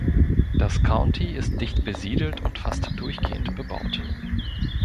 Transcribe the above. Das County ist dicht besiedelt und fast durchgehend bebaut.